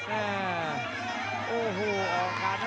โอ้โหออกร้านให้เห็นกลับมา